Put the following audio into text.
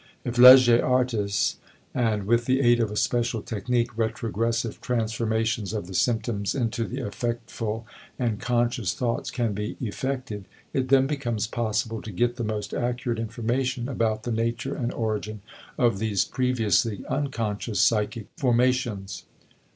If, lege artis, and with the aid of a special technique, retrogressive transformations of the symptoms into the affectful and conscious thoughts can be effected, it then becomes possible to get the most accurate information about the nature and origin of these previously unconscious psychic formations.